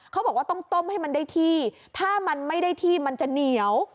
เขาบอกว่าต้องต้มให้มันได้ที่ถ้ามันไม่ได้ที่มันจะเหนียว